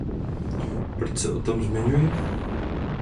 Proč se o tom zmiňuji?